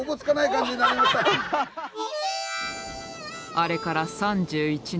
あれから３１年。